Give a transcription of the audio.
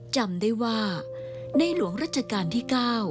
จำได้ว่าในหลวงรัชกาลที่๙